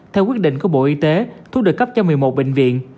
theo quyết định của bộ y tế thuốc được cấp cho một mươi một bệnh viện